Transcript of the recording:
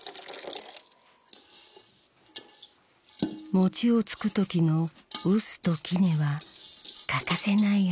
餅をつく時の臼と杵は欠かせないアイテム。